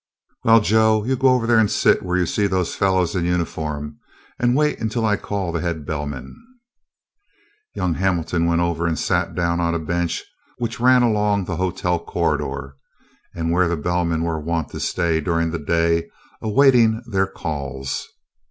"Well, Joe, you go over there and sit where you see those fellows in uniform, and wait until I call the head bellman." Young Hamilton went over and sat down on a bench which ran along the hotel corridor and where the bellmen were wont to stay during the day awaiting their calls.